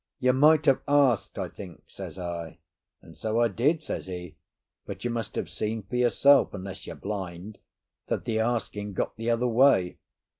"You might have asked, I think," says I. "And so I did," says he. "But you must have seen for yourself, unless you're blind, that the asking got the other way.